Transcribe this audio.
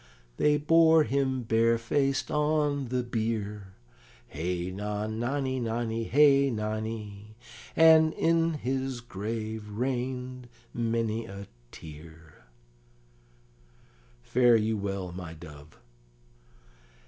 "They bore him barefaced on the bier; Hey non nonny, nonny, hey nonny; And in his grave rain'd many a tear: "Fare you well, my dove."